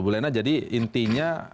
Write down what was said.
bu lena jadi intinya